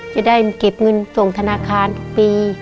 จะได้กริบเงินส่งธนาคาร๑๐ปี